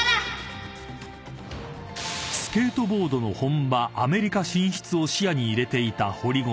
［スケートボードの本場アメリカ進出を視野に入れていた堀米］